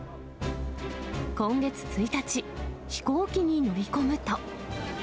今月１日、飛行機に乗り込むと。